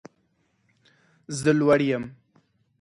زه لوړ یم